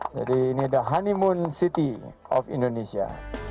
jadi ini adalah honeymoon city of indonesia